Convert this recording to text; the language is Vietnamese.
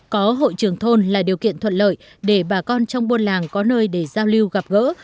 có hội trường thôn là điều kiện thuận lợi để bà con trong buôn làng có nơi để giao lưu gặp gỡ